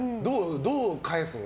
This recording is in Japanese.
どう返すの？